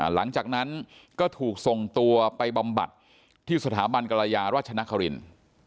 หลังจากนั้นก็ถูกส่งตัวไปบำบัดที่สถาบันกรยาราชนครินทร์